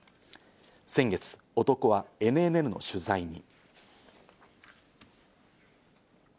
先月、男はＮＮＮの取材に。